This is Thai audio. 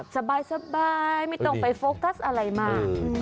สบายไม่ต้องไปโฟกัสอะไรมาก